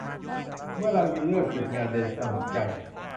เมื่อเราเลือกหยุดงานโดยสมัครใจ